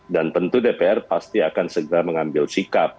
dan tentu dpr pasti akan segera mengambil sikap